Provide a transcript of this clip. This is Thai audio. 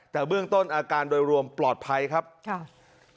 แต่เบื้องต้นอาการโดยรวมปลอดภัยครับค่ะ